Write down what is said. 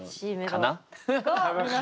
かな？